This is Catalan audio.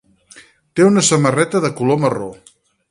Té una samarreta de color marró.